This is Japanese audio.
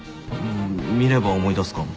見れば思い出すかも。